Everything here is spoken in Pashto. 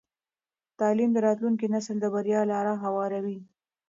تعلیم د راتلونکي نسل د بریا لاره هواروي.